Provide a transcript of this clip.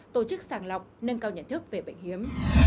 tổ chức sàng lọc nâng cao nhận thức về bệnh hiếm